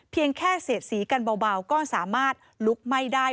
เพียงแค่เสียดสีกันเบาก็สามารถลุกไหม้ได้